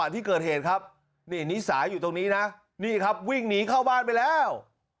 ที่เกิดเหตุครับนี่นิสาอยู่ตรงนี้นะนี่ครับวิ่งหนีเข้าบ้านไปแล้ว